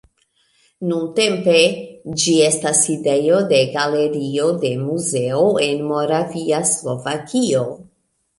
Nuntempe ĝi estas sidejo de Galerio de muzeo en Moravia Slovakio.